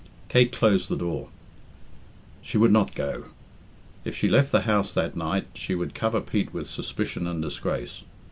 Kate closed the door. She would not go. If she left the house that night she would cover Pete with suspicion and disgrace.